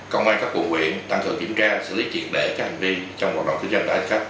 công an các quận huyện tăng cường kiểm tra xử lý triệt để các hành vi trong hoạt động kinh doanh tại anh khách